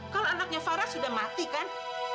kalau anaknya farah sudah mati kan